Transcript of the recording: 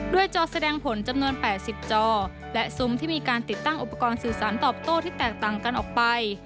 จอแสดงผลจำนวน๘๐จอและซุ้มที่มีการติดตั้งอุปกรณ์สื่อสารตอบโต้ที่แตกต่างกันออกไป